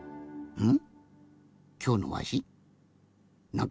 うん。